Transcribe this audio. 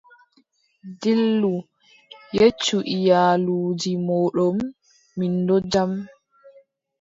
Dillu, yeccu iyaluuji mooɗon, min ɗon jam.